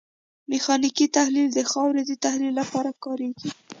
میخانیکي تحلیل د خاورې د تحلیل لپاره کاریږي